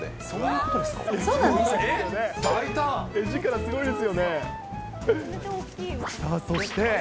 そして。